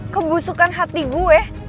kebusukan hati gue